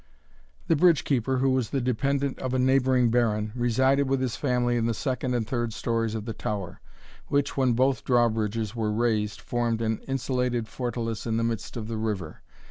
The bridge keeper, who was the dependant of a neighbouring baron, resided with his family in the second and third stories of the tower, which, when both drawbridges were raised, formed an insulated fortalice in the midst of the river.